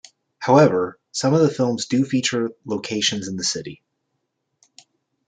However, some of the films do feature locations in the city.